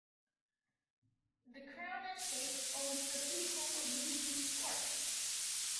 The Crown Estate owns the freehold of Regent's Park.